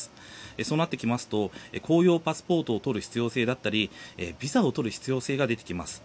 そうなってきますと公用パスポートを取る必要だったりビザを取る必要性が出てきます。